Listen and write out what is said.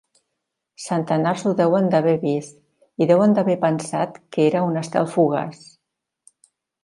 Centenars ho deuen haver vist i deuen haver pensat que era un estel fugaç.